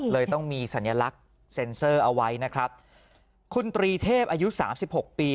เลยต้องมีสัญลักษณ์เซ็นเซอร์เอาไว้นะครับคุณตรีเทพอายุสามสิบหกปี